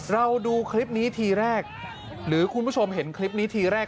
เราดูคลิปนี้ทีแรกหรือคุณผู้ชมเห็นคลิปนี้ทีแรก